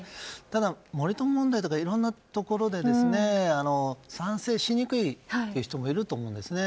ただ森友問題とかいろんなところで賛成しにくいという人もいると思うんですね。